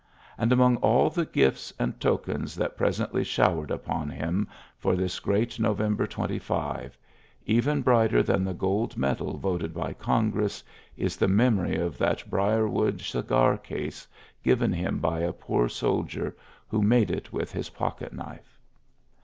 And, among all the gt tokens that presently showered him for this great November 25. XTLYSSES S. GEANT 97 brighter ttan tlie gold medal voted by Congress is the memory of that brier wood cigar case given him by a poor soldier who made it with his pocket knife.